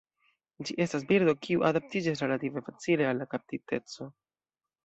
Ĝi estas birdo kiu adaptiĝas relative facile al kaptiteco.